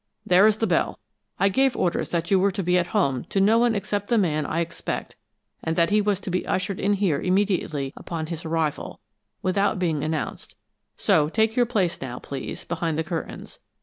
There is the bell! I gave orders that you were to be at home to no one except the man I expect and that he was to be ushered in here immediately upon his arrival, without being announced so take your place, now, please, behind the curtains.